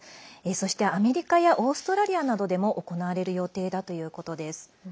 そして、アメリカやオーストラリアなどでも行われる予定だということです。